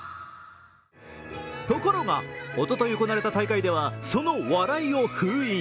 ところが、おととい行われた大会ではその笑いを封印。